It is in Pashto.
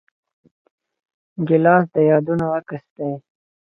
ګیلاس د یادونو عکس دی.